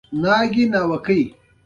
د کدو د مګس کنټرول څنګه دی؟